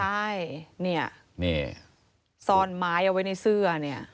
ใช่นี่ซ่อนไม้เอาไว้ในเสื้อนะ